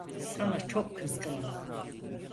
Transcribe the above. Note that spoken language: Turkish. Sana çok kızgınım.